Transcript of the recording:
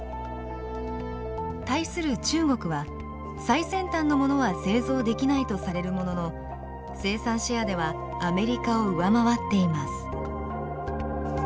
対する中国は最先端のものは製造できないとされるものの生産シェアではアメリカを上回っています。